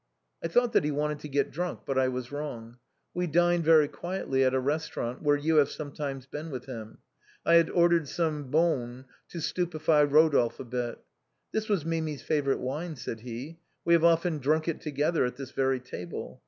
I thought that he wanted to get drunk, but I was wrong. We dined very quietly at a restaurant where you have some times been with him. I had ordered some Beaune to stupe fy Rodolphe a bit. ' This was Mimi's favorite wine,' said he, * we have often drunk it together at this very table.